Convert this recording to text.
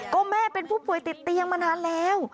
ก็แม่เป็นผู้ป่วยติดเตียงมานานแล้ว